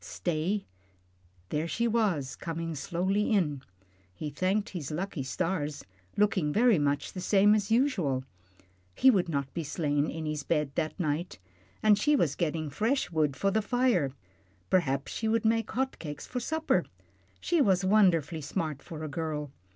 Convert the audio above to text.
Stay there she was, coming slowly in he thanked his lucky stars, looking very much the same as usual. He would not be slain in his bed that night. And she was getting fresh wood for the fire. Perhaps she would make hot cakes for supper. She was wonderfully smart for a girl.